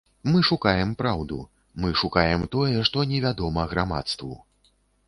Мы шукаем праўду, мы шукаем тое, што невядома грамадству.